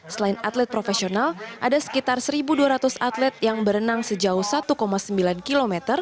selain atlet profesional ada sekitar satu dua ratus atlet yang berenang sejauh satu sembilan km